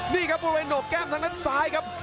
นี่ครับบริเวณหนกแก้มทางด้านซ้ายครับ